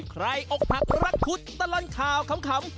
อกหักรักคุณตลอดข่าวขำ